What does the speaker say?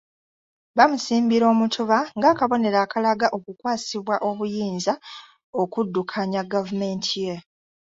Bamusimbira omutuba ng’akabonero akalaga okukwasibwa obuyinza okuddukanya gavumenti ye.